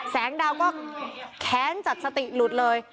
แสงดาวก็แค้นจัดสติหลุดเลย